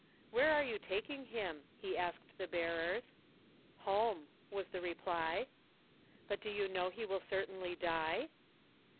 "Where are you taking him?" he asked the bearers. "Home," was the reply. "But do you know he will certainly die?"